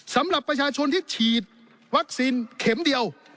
สำหรับประชาชนที่ฉีดวัคซีนเข็มเดียว